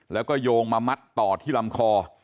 แล้วก็โยงมามัดต่อที่ลำคอ